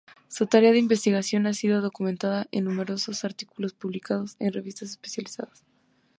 Su tarea de investigación ha sido documentada en numerosos artículos publicados en revistas especializadas.